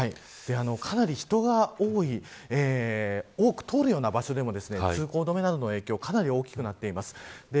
かなり人が多く通るような場所でも通行止めなどの影響がかなり大きくなっています。